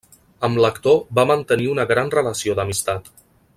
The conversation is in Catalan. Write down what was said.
Amb l'actor va mantenir una gran relació d'amistat.